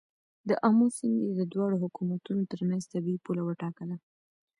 د آمو سیند یې د دواړو حکومتونو تر منځ طبیعي پوله وټاکه.